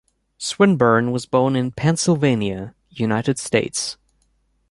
Swinburne was born in Pennsylvania, United States.